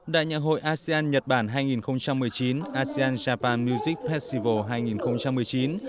đại nhạc hội asean nhật bản hai nghìn một mươi chín asean japan music festival hai nghìn một mươi chín